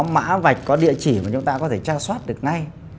mã vạch có địa chỉ mà chúng ta có thể trang soát được ngay